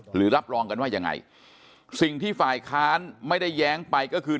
รับรองกันว่ายังไงสิ่งที่ฝ่ายค้านไม่ได้แย้งไปก็คือ